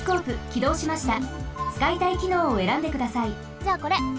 じゃあこれ！